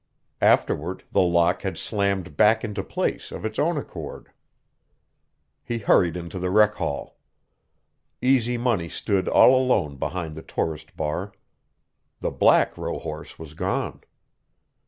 Afterward, the lock had slammed back into place of its own accord. He hurried into the rec hall. Easy Money stood all alone behind the tourist bar. The black rohorse was gone.